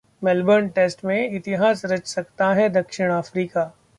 Melbourne test में इतिहास रच सकता है दक्षिण अफ्रीका